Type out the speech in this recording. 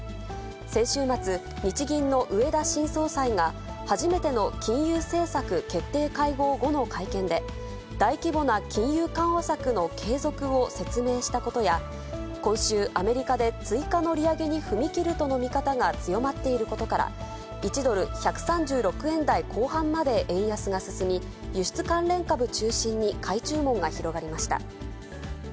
先週末、日銀の植田新総裁が、初めての金融政策決定会合後の会見で、大規模な金融緩和策の継続を説明したことや、今週、アメリカで追加の利上げに踏み切るとの見方が強まっていることから、１ドル１３６円台後半まで円安が進み、輸出関連株中心に買い注文が広がりました。